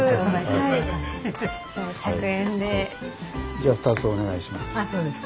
じゃあ２つお願いします。